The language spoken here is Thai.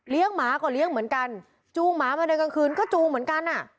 หมาก็เลี้ยงเหมือนกันจูงหมามาเดินกลางคืนก็จูงเหมือนกันอ่ะ